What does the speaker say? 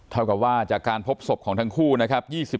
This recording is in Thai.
เท่ากับว่าจากการพบศพของทั้งคู่นะครับ